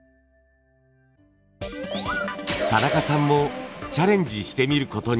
田中さんもチャレンジしてみることに。